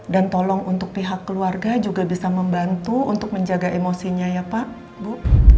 dan tolong untuk pihak keluarga juga bisa membantu untuk menjaga emosinya ya pak bu